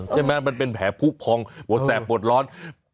ใช่ไหมมันเป็นแผลผู้พองหัวแสบปวดร้อน